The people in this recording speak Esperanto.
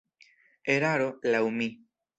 Eraro, laŭ mi.